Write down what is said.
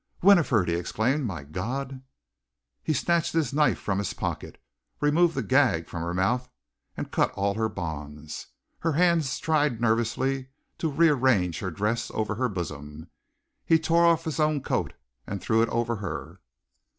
"Winifred!" he exclaimed. "My God!" He snatched his knife from his pocket, removed the gag from her mouth, and cut all her bonds. Her hands tried nervously to rearrange her dress over her bosom. He tore off his own coat and threw it over her.